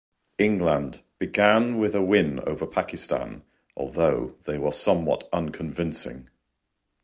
England began with a win over Pakistan, although they were somewhat unconvincing.